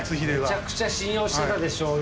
めちゃくちゃ信用してたでしょうに。